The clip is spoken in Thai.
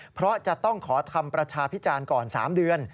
เพราะจะต้องขอทำประชาพิจารณ์ก่อน๓เดือน